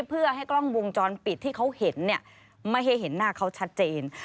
เพื่อให้กล้องวงจรปิดที่เขาเห็นเนี่ยไม่ให้เห็นหน้าเขาชัดเจน